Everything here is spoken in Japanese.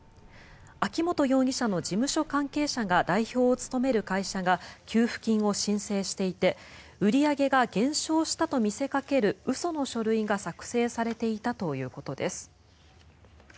秋本容疑者の事務所関係者が代表を務める会社が給付金を申請していて売り上げが減少したと見せかける嘘の書類が作成されていたということです。